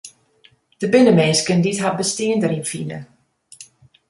Der binne minsken dy't har bestean deryn fine.